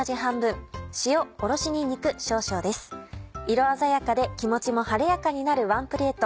色鮮やかで気持ちも晴れやかになるワンプレート。